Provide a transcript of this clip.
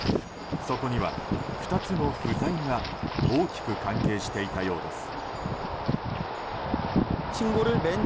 そこには２つの不在が大きく関係していたようです。